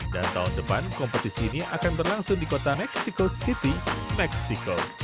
dan tahun depan kompetisi ini akan berlangsung di kota mexico city meksiko